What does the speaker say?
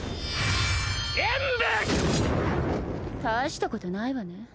大したことないわね。